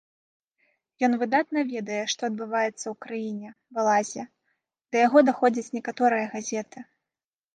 Ён выдатна ведае, што адбываецца ў краіне, балазе, да яго даходзяць некаторыя газеты.